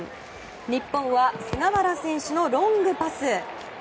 日本は菅原選手のロングパス。